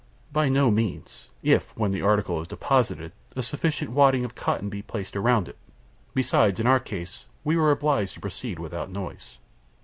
"By no means, if, when the article is deposited, a sufficient wadding of cotton be placed around it. Besides, in our case, we were obliged to proceed without noise."